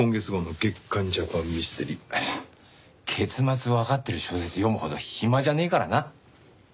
結末わかってる小説読むほど暇じゃねえからな。